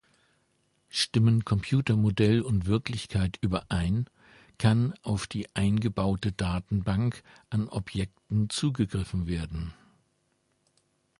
Stimmen Computermodell und Wirklichkeit überein, kann auf die eingebaute Datenbank an Objekten zugegriffen werden.